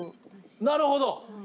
なるほど！